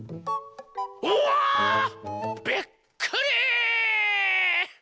おわ！びっくり！